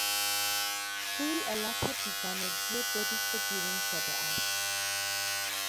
پول علت بیگانگی دو دوست دیرین شده است.